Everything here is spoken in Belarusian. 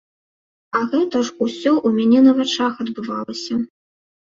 А гэта ж усё ў мяне на вачах адбывалася.